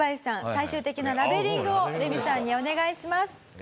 最終的なラベリングをレミさんにお願いします。